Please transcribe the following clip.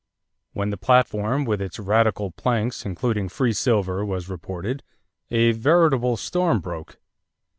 When the platform with its radical planks, including free silver, was reported, a veritable storm broke.